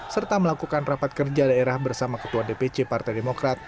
serta melakukan rapat kerja daerah bersama ketua dpc partai demokrat